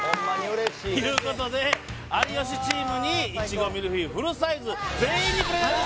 嬉しいということで有吉チームに苺ミルフィーユフルサイズ全員にプレゼント！